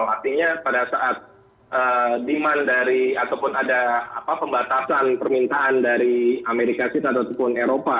artinya pada saat demand dari ataupun ada pembatasan permintaan dari amerika serikat ataupun eropa